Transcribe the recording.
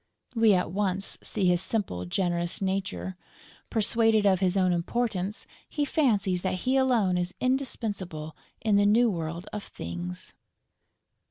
We at once see his simple, generous nature. Persuaded of his own importance, he fancies that he alone is indispensable in the new world of Things.